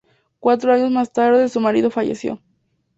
Cuatro años más tarde, su marido falleció.